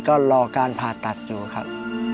ก็รอการผ่าตัดอยู่ครับ